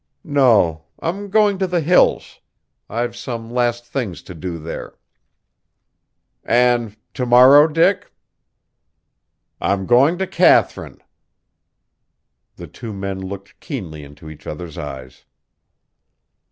"No. I'm going to the Hills. I've some last things to do there." "And to morrow, Dick?" "I'm going to Katharine!" The two men looked keenly into each other's eyes.